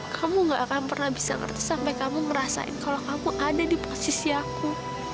kamu gak akan pernah bisa ngerti sampai kamu ngerasain kalau kamu ada di posisi aku